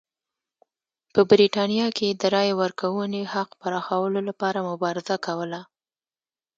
په برېټانیا کې یې د رایې ورکونې حق پراخولو لپاره مبارزه کوله.